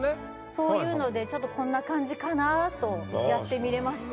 そういうのでちょっとこんな感じかなぁとやってみれました。